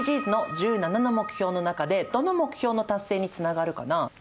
ＳＤＧｓの１７の目標の中でどの目標の達成につながるかな？